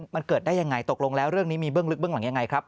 มันเกิดได้ยังไงตกลงแล้วเรื่องนี้มีเบื้องลึกเบื้องหลังยังไงครับ